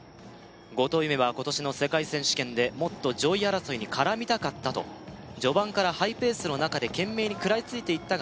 後藤夢は今年の世界選手権で「もっと上位争いに絡みたかった」と「序盤からハイペースの中で懸命に食らいついていったが」